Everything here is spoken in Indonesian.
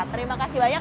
terima kasih banyak